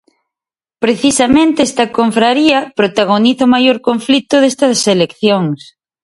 Precisamente esta confraría protagoniza o maior conflito destas eleccións.